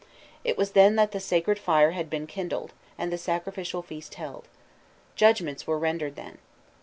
It was then that the sacred fire had been kindled, and the sacrificial feast held. Judgments were rendered then.